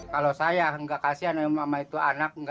kalau saya enggak kasihan mama itu anak